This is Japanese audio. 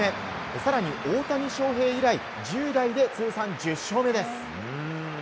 更に、大谷翔平以来１０代で通算１０勝目です。